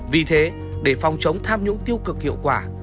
vì thế để phòng chống tham nhũng tiêu cực hiệu quả